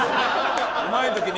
うまい時に。